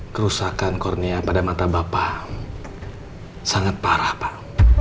kerusakan kornia pada mata bapak sangat parah pak